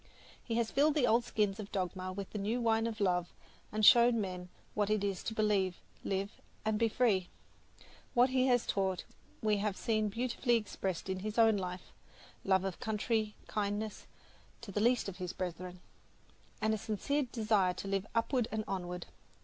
He has filled the old skins of dogma with the new wine of love, and shown men what it is to believe, live and be free. What he has taught we have seen beautifully expressed in his own life love of country, kindness to the least of his brethren, and a sincere desire to live upward and onward.